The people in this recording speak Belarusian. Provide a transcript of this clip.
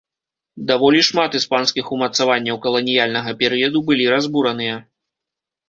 Даволі шмат іспанскіх умацаванняў каланіяльнага перыяду былі разбураныя.